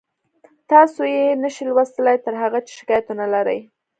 تاسو یې نشئ لوستلی تر هغه چې شکایت ونلرئ